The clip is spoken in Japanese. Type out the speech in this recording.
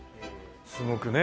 すごくね。